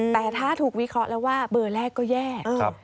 แต่ถ้าถูกวิเคราะห์แล้วว่าเบอร์แรกก็แย่